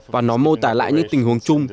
và nó mô tả lại những tình huống chung